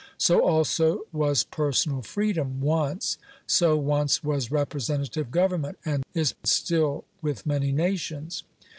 So, also,* was personal freedom once. So once was representative* go* vernment, and is. still with many nations.